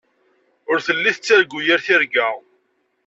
Ur telli tettargu yir tirga.